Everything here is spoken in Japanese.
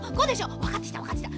わかってきたわかってきた。